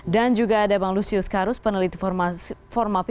dan juga ada bang lusius karus peneliti formapi